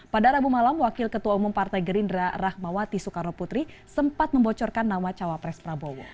pada rabu malam wakil ketua umum partai gerindra rahmawati soekarno putri sempat membocorkan nama cawapres prabowo